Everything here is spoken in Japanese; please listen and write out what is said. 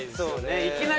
いきなり。